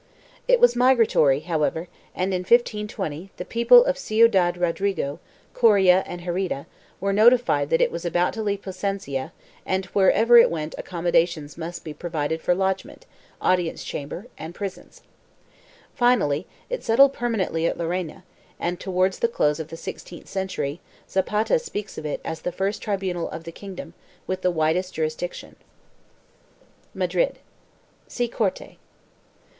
It was migratory, however and, in 1520, the people of Ciudad Rodrigo, Coria and Merida were notified that it was about to leave Plasencia and wherever it went accommodations must be provided for lodgement, audience chamber and prisons. Finally it settled permanently at Llerena and, towards the close of the sixteenth century, Zapata speaks of it as the first tribunal of the kingdom, with the widest jurisdiction.1 MADRID. See CORTE.